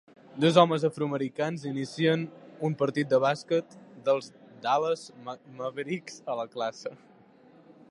Dos homes afroamericans inicien un partit de bàsquet dels Dallas Mavericks a la classe.